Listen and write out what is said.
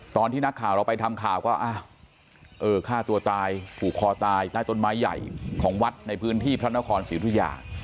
ตอนที่นักข่าวเราไปทำข่าวก็ฆ่าตัวตายผูกคอตายใต้ต้นไม้ใหญ่ของวัดในพื้นที่พระนครศรีธุยา